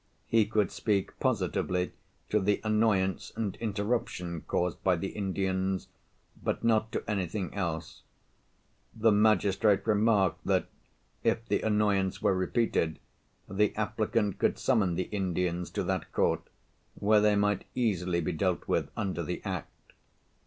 He could speak positively to the annoyance and interruption caused by the Indians, but not to anything else. The magistrate remarked that, if the annoyance were repeated, the applicant could summon the Indians to that court, where they might easily be dealt with under the Act.